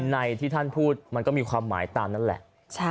ในที่ท่านพูดมันก็มีความหมายตามนั้นแหละ